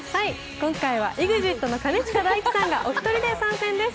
今回はＥＸＩＴの兼近大樹さんがお一人で参戦です。